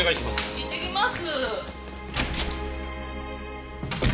行ってきます。